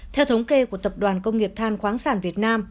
theo thống kê của tập đoàn công nghiệp than khoáng sản việt nam